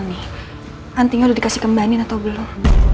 nih antingnya udah dikasih kembanin atau belum